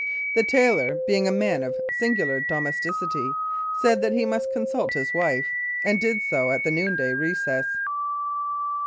The tailor, being a man of singular domesticity, said that he must consult his wife, and did so at the noon day recess.